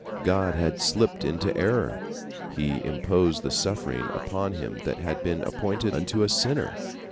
God had slipped into an error, He imposed the suffering upon him that had been appointed unto a sinner.